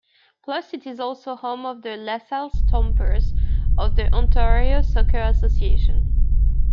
Plus it is also home to the Lasalle Stompers, of the Ontario Soccer Association.